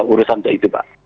urusan untuk itu pak